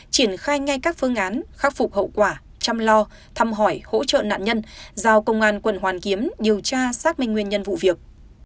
triển khai ngay các phương án khắc phục hậu quả chăm lo thăm hỏi hỗ trợ nạn nhân giao công an quận hoàn kiếm điều tra xác minh nguyên nhân vụ việc